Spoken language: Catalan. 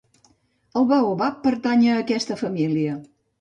El Baobab pertany a aquesta família.